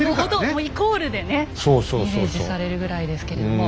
もうイコールでねイメージされるぐらいですけれども。